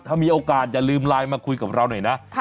ถ้ามีโอกาสอย่าลืมไลน์มาคุยกับเราหน่อยนะ